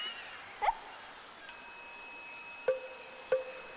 えっ？